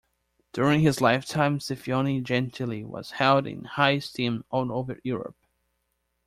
During his lifetime Scipione Gentili was held in high esteem all over Europe.